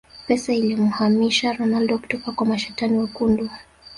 Pesa ilimuhamisha Ronaldo kutoka kwa mashetani wekundu